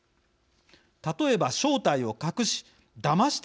例えば正体を隠し「だまして」